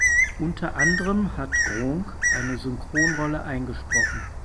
Unter anderem hat Gronkh eine Synchronrolle eingesprochen.